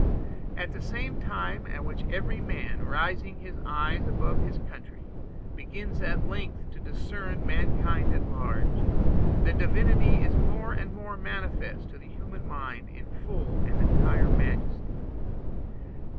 At that same time at which every man, raising his eyes above his country, begins at length to discern mankind at large, the Divinity is more and more manifest to the human mind in full and entire majesty.